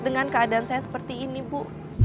dengan keadaan saya seperti ini bu